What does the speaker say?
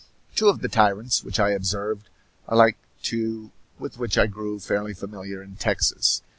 Two of the tyrants which I observed are like two with which I grew fairly familiar in Texas.